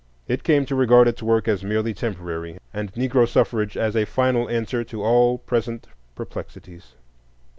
It came to regard its work as merely temporary, and Negro suffrage as a final answer to all present perplexities.